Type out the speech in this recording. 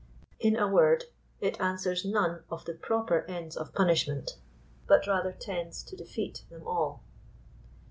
la a word, it answers none of the proper ends of punishment, but rather tends to defeat them all.